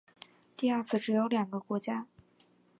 第二次只有两个国家。